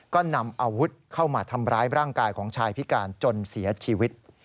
ก็นำอาวุธเข้ามาทำร้ายร่างกายของชายพิการจนเสียชีวิต